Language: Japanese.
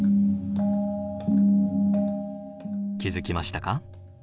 気付きましたか？